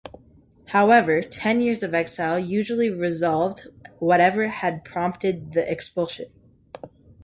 However, ten years of exile usually resolved whatever had prompted the expulsion.